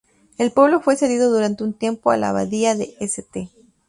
El pueblo fue cedido durante un tiempo a la Abadía de St.